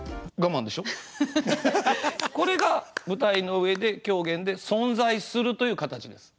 これが舞台の上で狂言で存在するという形です。